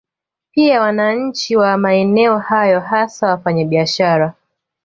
Pia wananchi wa maeneo hayo hasa wafanya biashara